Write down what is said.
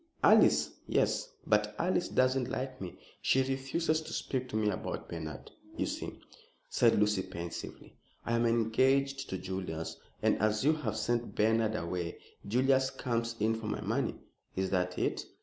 "Alice! yes, but Alice doesn't like me. She refuses to speak to me about Bernard. You see," said Lucy, pensively, "I am engaged to Julius, and as you have sent Bernard away " "Julius comes in for my money, is that it?"